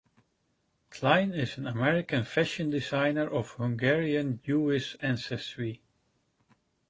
Klein is an American fashion designer of Hungarian Jewish ancestry.